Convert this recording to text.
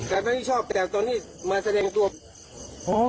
กิ้มไม่ชอบแต่ตอนนี้มาแสดงตัว